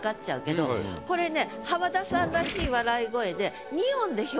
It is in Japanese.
これね。